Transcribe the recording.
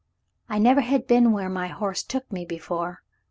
I never had been where my horse took me before.